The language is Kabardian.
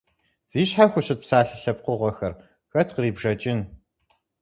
Зи щхьэ хущыт псалъэ лъэпкъыгъуэхэр хэт кърибжэкӏын?